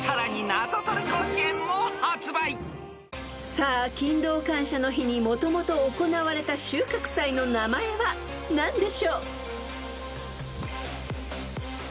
［さあ勤労感謝の日にもともと行われた収穫祭の名前は何でしょう？］